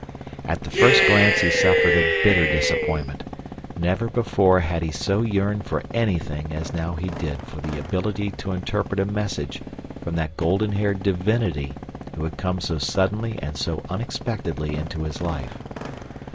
At the first glance he suffered a bitter disappointment; never before had he so yearned for anything as now he did for the ability to interpret a message from that golden haired divinity who had come so suddenly and so unexpectedly into his life.